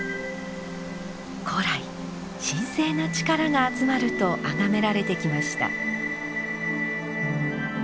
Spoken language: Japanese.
古来神聖な力が集まると崇められてきました。